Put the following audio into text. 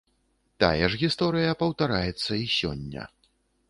Тая ж гісторыя паўтараецца і сёння.